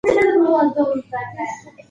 موږ باید د خپلو ښوونکو مشورو ته غوږ سو.